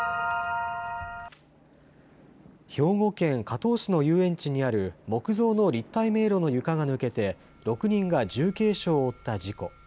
兵庫県加東市の遊園地にある木造の立体迷路の床が抜けて６人が重軽傷を負った事故。